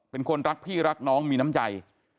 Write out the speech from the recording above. เป็นคนรักพี่รักน้องมีน้ำใจ